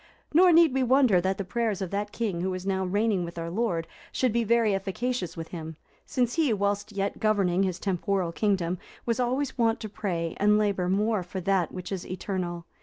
Nor need we wonder that the prayers of that king who is now reigning with our Lord, should be very efficacious with Him, since he, whilst yet governing his temporal kingdom, was always wont to pray and labour more for that which is eternal.